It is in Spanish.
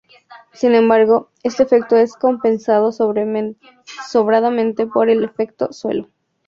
Sin embargo, este efecto es compensado sobradamente por el efecto suelo.